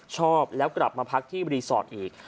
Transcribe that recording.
ชอบแล้วกลับมาพักที่รีสอร์ทอีก